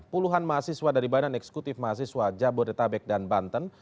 puluhan mahasiswa dari badan eksekutif mahasiswa jabodetabek dan banten